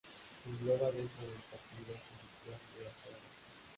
Se engloba dentro del Partido Judicial de Astorga.